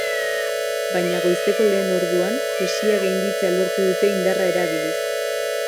Baina goizeko lehen orduan, hesia gainditzea lortu dute indarra erabiliz.